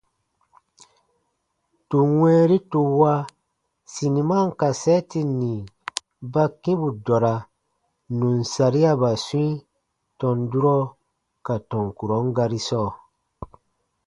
Tù wɛ̃ɛri tù wa siniman kasɛɛti nì ba kĩ bù dɔra nù n sariaba swĩi tɔn durɔ ka tɔn kurɔn gari sɔɔ.